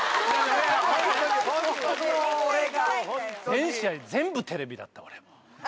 全試合全部テレビだった俺。